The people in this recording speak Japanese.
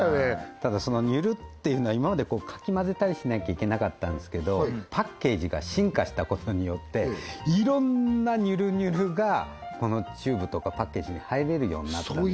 ただそのにゅるっていうのは今までかき混ぜたりしなきゃいけなかったんですけどパッケージが進化したことによっていろんなにゅるにゅるがチューブとかパッケージに入れるようになったんです